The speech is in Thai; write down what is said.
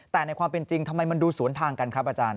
แต่ในความเป็นจริงทำไมมันดูสวนทางกันครับอาจารย์